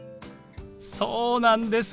そうなんです。